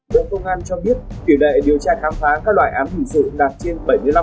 bộ công an cho biết tỷ lệ điều tra khám phá các loại án hình sự đạt trên bảy mươi năm